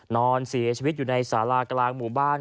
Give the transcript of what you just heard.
นอนเสียชีวิตอยู่ในสารากลางหมู่บ้าน